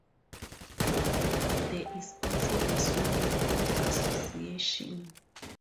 There is also a swimming pool association.